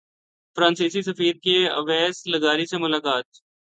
فرانسیسی سفیر کی اویس لغاری سے ملاقات